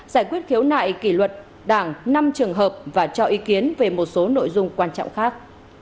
giải quyết khiếu nại kỷ luật đảng năm trường hợp và cho ý kiến về một số nội dung quan trọng khác